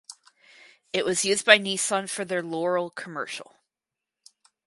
It was used by Nissan for their Laurel commercial.